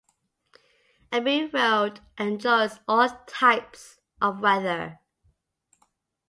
Abu Road enjoys all types of weather.